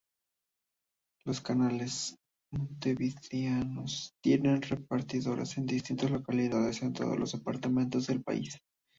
Los canales montevideanos tienen repetidoras en distintas localidades de todos los departamentos del país.